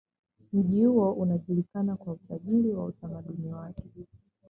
Mji huo unajulikana kwa utajiri wa utamaduni wake.